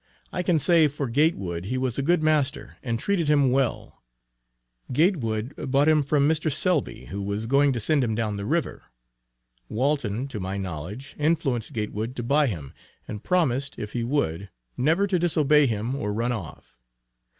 I can say for Gatewood he was a good master, and treated him well. Gatewood bought him from a Mr. Sibly, who was going to send him down the river. Walton, to my knowledge, influenced Gatewood to buy him, and promised if he would, never to disobey him or run off.